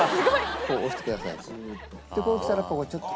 こう押してくださいでここに来たらちょっと。